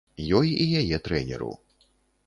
Ёй і яе трэнеру.